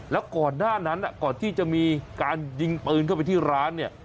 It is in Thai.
แล้วก่อนหน้านั้นก่อนที่จะมีการยิงปืนเข้าไปที่ร้านเนี่ย